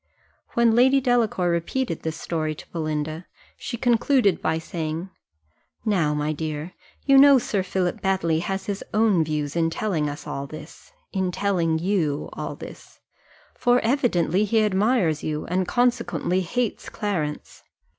When Lady Delacour repeated this story to Belinda, she concluded by saying, "Now, my dear, you know Sir Philip Baddely has his own views in telling us all this in telling you, all this; for evidently he admires you, and consequently hates Clarence.